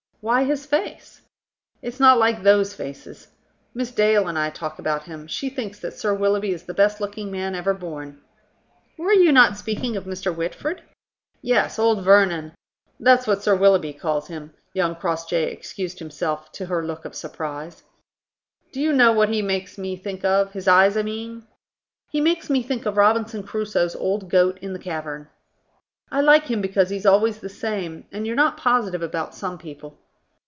"Why his face?" "It's not like those faces! Miss Dale and I talk about him. She thinks that Sir Willoughby is the best looking man ever born." "Were you not speaking of Mr. Whitford?" "Yes; old Vernon. That's what Sir Willoughby calls him," young Crossjay excused himself to her look of surprise. "Do you know what he makes me think of? his eyes, I mean. He makes me think of Robinson Crusoe's old goat in the cavern. I like him because he's always the same, and you're not positive about some people.